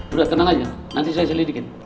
sudah tenang aja nanti saya selidikin